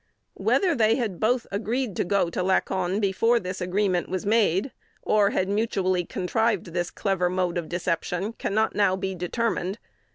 Whether they had both agreed to go to Lacon before this agreement was made, or had mutually contrived this clever mode of deception, cannot now be determined.